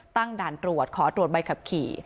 ด่านตรวจขอตรวจใบขับขี่